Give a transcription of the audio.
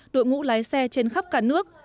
đội ngũ lái xe trên khắp cả nước